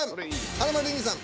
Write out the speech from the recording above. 華丸兄さん